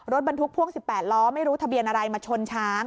รถบรรทุกพ่วง๑๘ล้อไม่รู้ทะเบียนอะไรมาชนช้าง